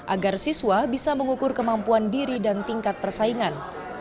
agar siswa bisa mengukur kemampuan diri dan tingkat persaingan